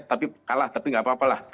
tapi tidak apa apa lah